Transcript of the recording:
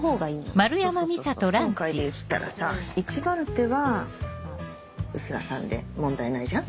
そうそう今回で言ったらさ１番手は臼田さんで問題ないじゃん。